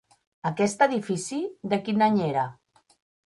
Aquest edifici de quin any era?